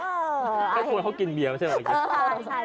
ถ้าโทรเขากินเบียนว่าใช่เหรอ